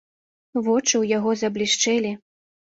Вочы ў яго заблішчэлі.